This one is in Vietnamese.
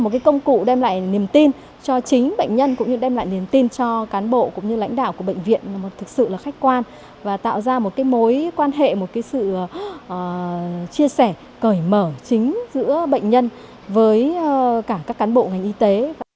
một cái công cụ đem lại niềm tin cho chính bệnh nhân cũng như đem lại niềm tin cho cán bộ cũng như lãnh đạo của bệnh viện một thực sự là khách quan và tạo ra một cái mối quan hệ một sự chia sẻ cởi mở chính giữa bệnh nhân với cả các cán bộ ngành y tế